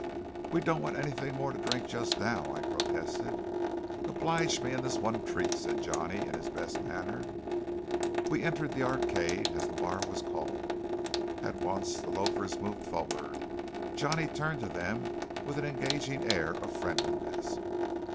"We don't want anything more to drink just now," I protested. "Oblige me in this one treat," said Johnny in his best manner. We entered the Arcade, as the bar was called. At once the loafers moved forward. Johnny turned to them with an engaging air of friendliness.